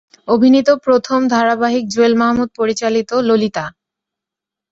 অভিনীত প্রথম ধারাবাহিক জুয়েল মাহমুদ পরিচালিত "ললিতা"।